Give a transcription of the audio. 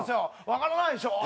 「わからないでしょ？」。